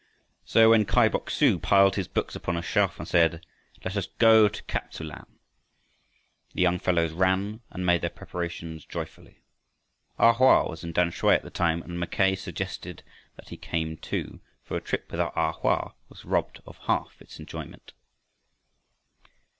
So when Kai Bok su piled his books upon a shelf and said, "Let us go to Kaptsu lan," the young fellows ran and made their preparations joyfully. A Hoa was in Tamsui at the time, and Mackay suggested that he come too, for a trip without A Hoa was robbed of half its enjoyment.